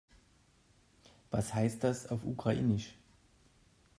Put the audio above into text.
Was heißt das auf Ukrainisch?